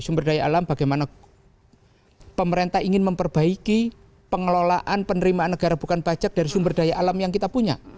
sumber daya alam bagaimana pemerintah ingin memperbaiki pengelolaan penerimaan negara bukan pajak dari sumber daya alam yang kita punya